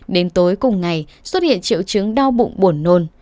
đến tối cùng ngày xuất hiện triệu chứng đau bụng buồn nôn